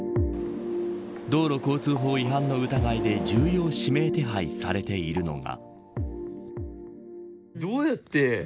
道路交通法違反の疑いで重要指名手配されているのが。